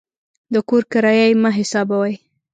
د کور کرایه یې مه حسابوئ.